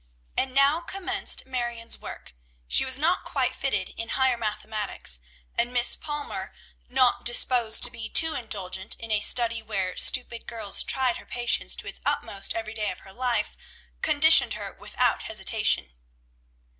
And now commenced Marion's work. She was not quite fitted in higher mathematics, and Miss Palmer, not disposed to be too indulgent in a study where stupid girls tried her patience to its utmost every day of her life, conditioned her without hesitation.